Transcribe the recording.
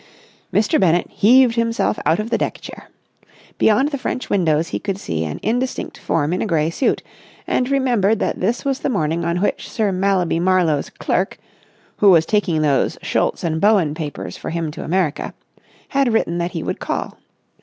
Mr. Bennett heaved himself out of the deck chair. Beyond the French windows he could see an indistinct form in a grey suit, and remembered that this was the morning on which Sir Mallaby Marlowe's clerk—who was taking those Schultz and Bowen papers for him to America—had written that he would call.